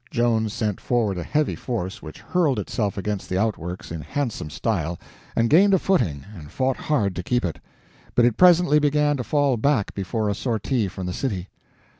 Joan sent forward a heavy force which hurled itself against the outworks in handsome style, and gained a footing and fought hard to keep it; but it presently began to fall back before a sortie from the city.